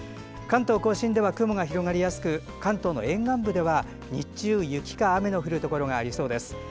関東・甲信では雲が広がりやすく関東の沿岸部では日中、雪か雨の降るところがありそうです。